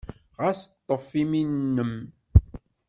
Ɣas ḍḍef imi-nnem.